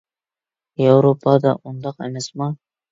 ياۋروپادا ئۇنداق ئەمەسما؟